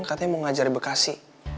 katanya mau ngajar bekasi